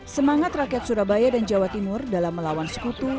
semangat rakyat surabaya dan jawa timur dalam melawan sekutu